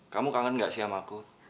kamu kangen gak sih sama aku